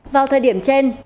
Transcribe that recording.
vào thời điểm trên